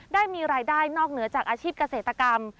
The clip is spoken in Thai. ได้มีรายได้นอกเหนือจากอาชีพเกษตรกรรม